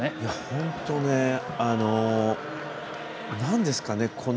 本当、なんですかね。